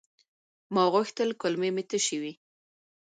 ما غوښتل کولمې مې تشي وي.